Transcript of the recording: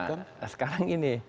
nah sekarang ini